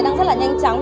đang rất là nhanh chóng